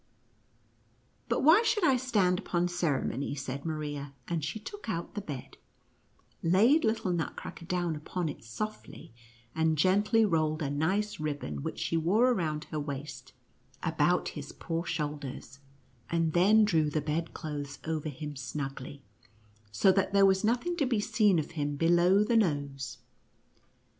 1 '" But why should I stand upon ceremony V said Maria, and she took out the bed, laid little Nutcracker down upon it softly, and gently rolled a nice ribbon which she wore around her waist, about his poor shoulders, and then drew the bedclothes over him snugly, so that there was nothing to be seen of him be low the nose.